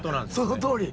そのとおり。